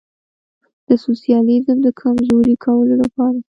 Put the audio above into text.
د سوسیالیزم د کمزوري کولو لپاره.